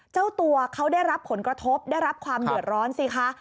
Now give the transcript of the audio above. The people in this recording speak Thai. เจ้าตัวเขาได้รับผลกระทบได้รับความเดือดร้อนสิคะ